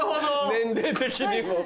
年齢的にも。